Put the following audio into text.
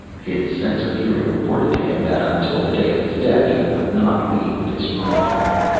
His sense of hearing reported to him that until the day of his death he would not leave this room....